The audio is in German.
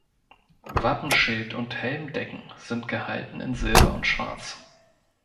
Wappenschild und Helmdecken sind gehalten in Silber und Schwarz.